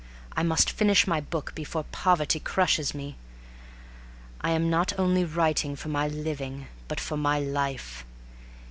I must finish my book before poverty crushes me. I am not only writing for my living but for my life.